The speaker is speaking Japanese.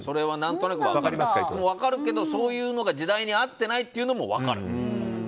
分かるけどそういうのが時代に合ってないというのも分かる。